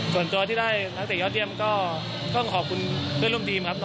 ส่วนตัวที่ได้นักเตะยอดเยี่ยมก็ต้องขอบคุณเพื่อนร่วมทีมครับ